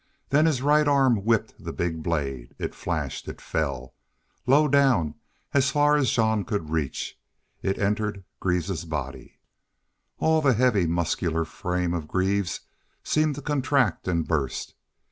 Then his right arm whipped the big blade. It flashed. It fell. Low down, as far as Jean could reach, it entered Greaves's body. All the heavy, muscular frame of Greaves seemed to contract and burst.